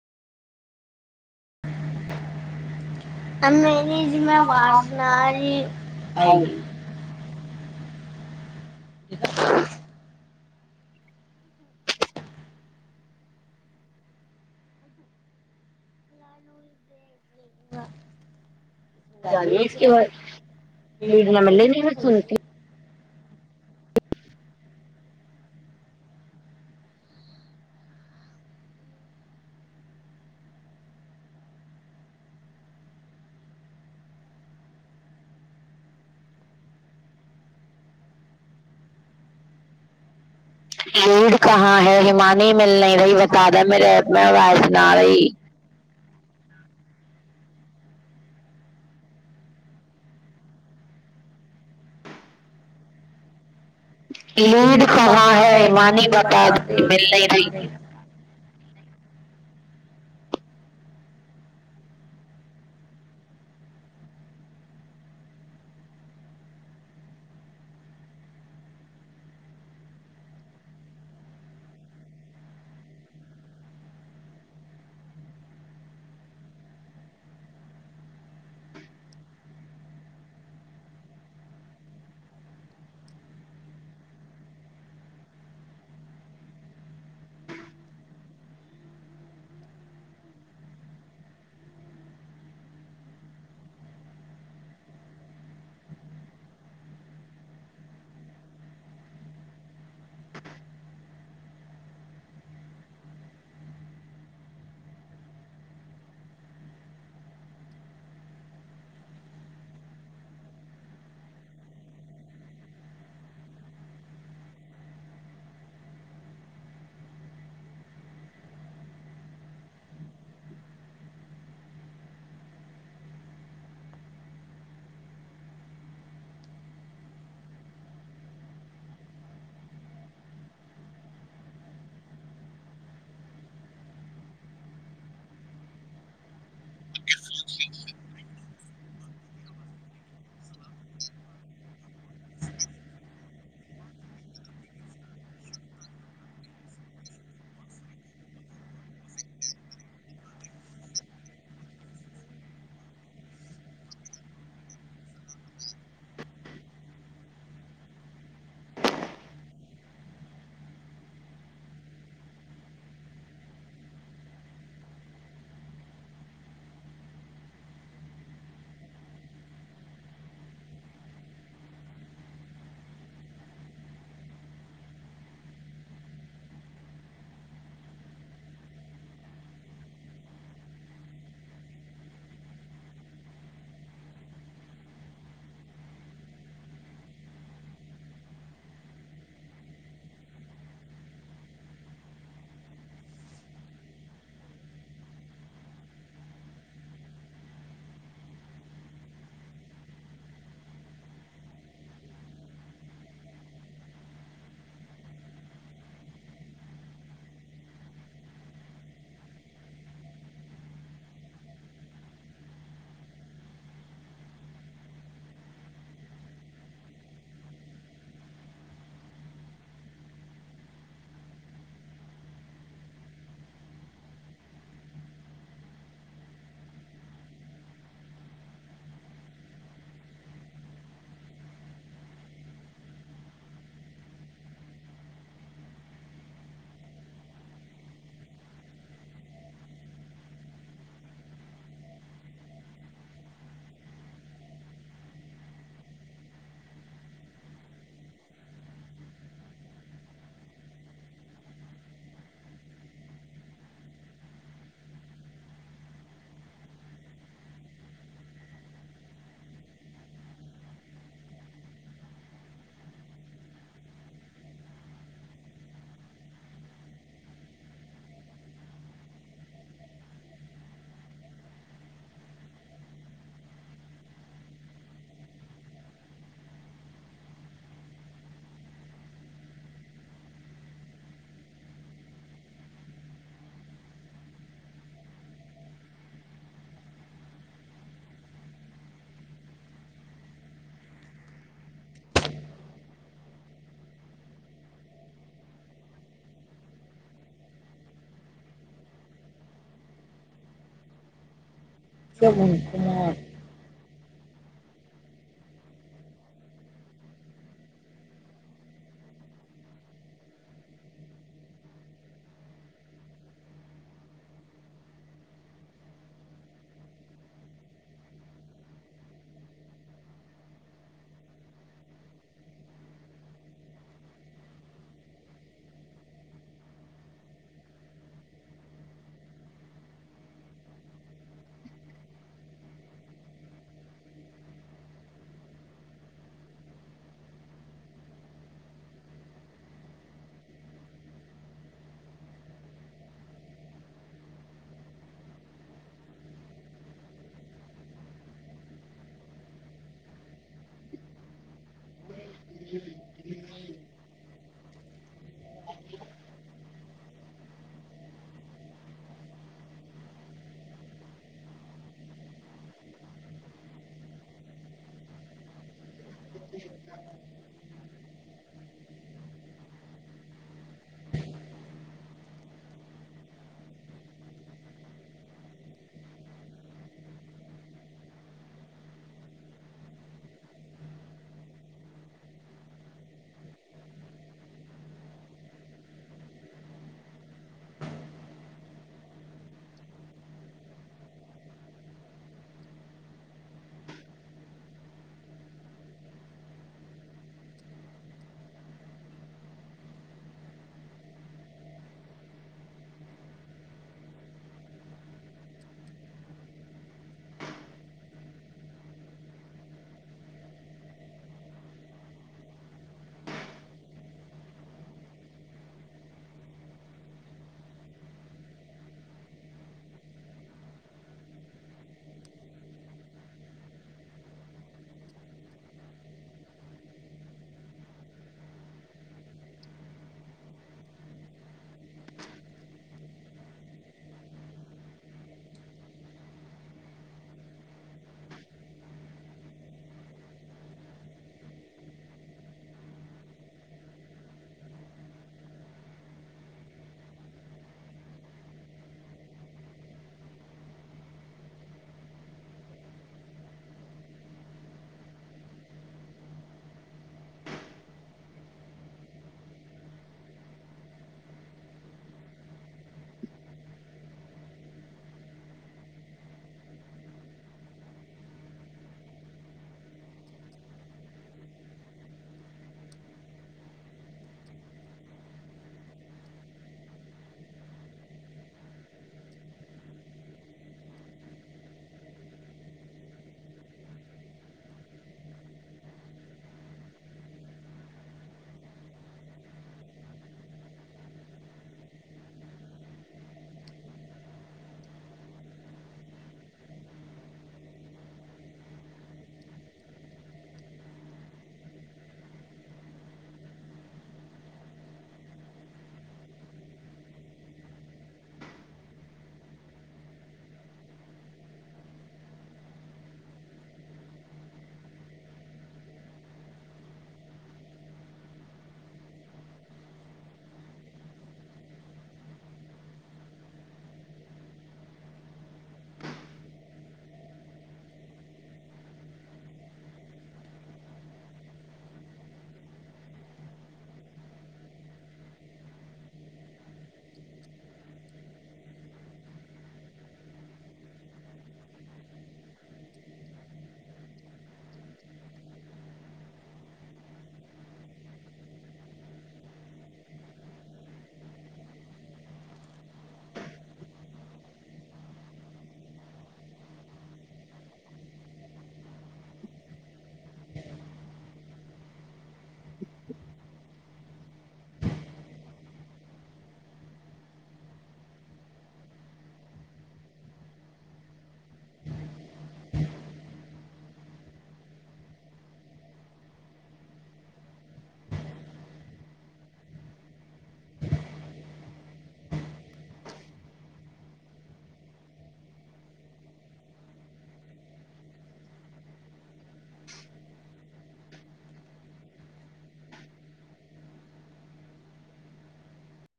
[unintelligible] अ मेरी जिममे वासनार आएगी। [unintelligible] इ। [unintelligible] ह। डेट न बाद मिलेगी भी मले सुनती। [unintelligible] लीड ईीड़ कहाँ है मानी हिमानी मिल नहि मुझे रही बता दे द मेरे मेमे आज आाज सु न मानी। रही। लीड कहाँ है मानी बता दी मिल नहि रही। [unintelligible] [unintelligible] सेबन कमार। [unintelligible] [unintelligible] [unintelligible] [unintelligible] ह। [unintelligible]